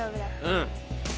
うん。